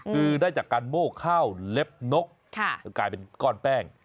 คือได้จากการโมกข้าวเล็บนกกลายเป็นก้อนแป้ง